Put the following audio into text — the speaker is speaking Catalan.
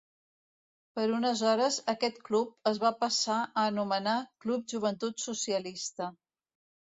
Per unes hores aquest club es va passar a anomenar Club Joventut Socialista.